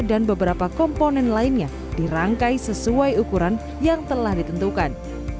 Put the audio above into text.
dan beberapa komponen lainnya dirangkai sesuai ukuran yang telah ditentukan